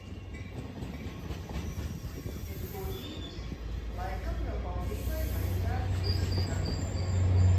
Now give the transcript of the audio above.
Pēc būtības, laikam jau valdībai vajadzētu krist tagad.